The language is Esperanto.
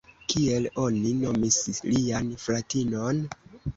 Kiel oni nomis lian fratinon?